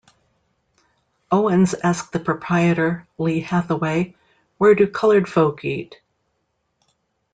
Owens asked the proprietor, Lee Hathaway, where do colored folk eat?